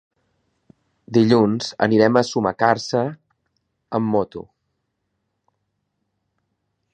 Dilluns anirem a Sumacàrcer amb moto.